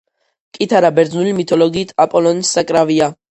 კითარა, ბერძნული მითოლოგიით აპოლონის საკრავია.